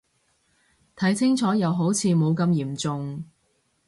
睇清楚又好似冇咁嚴重